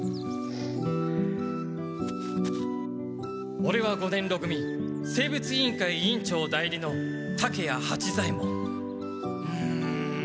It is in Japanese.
オレは五年ろ組生物委員会委員長代理の竹谷八左ヱ門うむ。